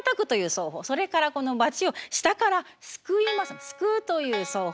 それからこのバチを下からすくいます「すくう」という奏法と。